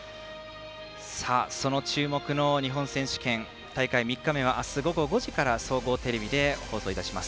その注目の日本選手権大会３日目は明日午後５時から総合テレビで放送いたします。